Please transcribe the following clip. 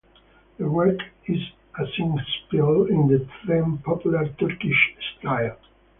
The work is a Singspiel in the then popular Turkish style.